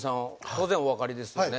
当然お分かりですよね？